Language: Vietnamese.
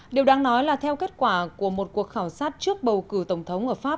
điều đáng nói là theo kết quả của một cuộc khảo sát trước bầu cử tổng thống ở pháp